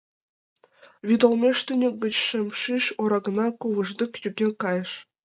Вӱд олмеш тӱньык гыч шем шӱш ора гына кувыждик йоген кайыш.